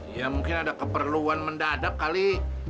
ya mungkin ada keperluan mendadak kali